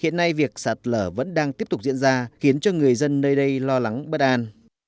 hiện nay việc sạt lở vẫn đang tiếp tục diễn ra khiến cho người dân nơi đây lo lắng bất an